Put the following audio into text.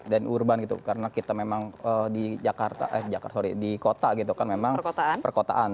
dan urban gitu karena kita memang di jakarta eh sorry di kota gitu kan memang perkotaan